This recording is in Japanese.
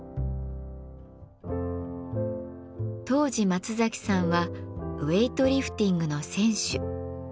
当時松さんはウエイトリフティングの選手。